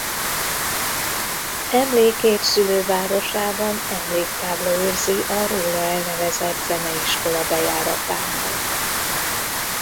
Emlékét szülővárosában emléktábla őrzi a róla elnevezett zeneiskola bejáratánál.